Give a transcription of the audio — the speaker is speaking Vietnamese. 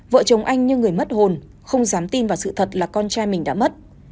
vợ chồng anh như người mất hồn không dám tin vào sự thật là con trai mình đã mất